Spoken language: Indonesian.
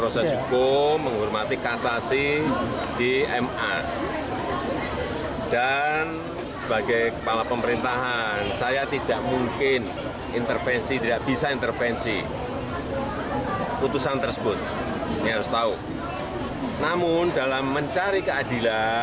surat kepada presiden jokowi